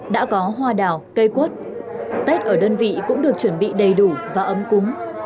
đã có hoa đào cây quất tết ở đơn vị cũng được chuẩn bị đầy đủ và ấm cúng